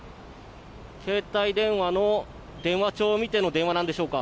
携帯電話の電話帳を見ての電話なんでしょうか。